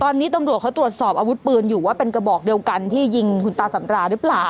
ตอนนี้ตำรวจเขาตรวจสอบอาวุธปืนอยู่ว่าเป็นกระบอกเดียวกันที่ยิงคุณตาสำราหรือเปล่า